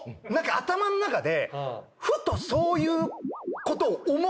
頭の中で。